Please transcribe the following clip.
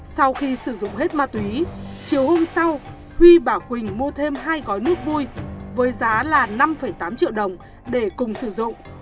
sau khi sử dụng hết ma túy chiều hôm sau huy bà quỳnh mua thêm hai gói nước vui với giá là năm tám triệu đồng để cùng sử dụng